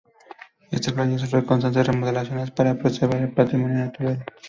Esta playa sufre constantes remodelaciones para preservar el patrimonio natural.